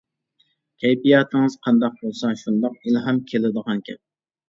كەيپىياتىڭىز قانداق بولسا، شۇنداق ئىلھام كېلىدىغان گەپ!